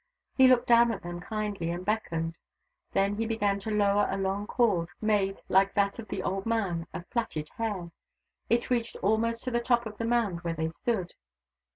He looked down at them kindly, and beckoned. Then he began to lower a long cord, made, like that of the old man, of plaited hair. It reached almost to the top of the mound where they stood.